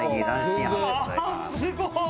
すごい！